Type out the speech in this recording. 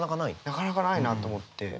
なかなかないなと思って。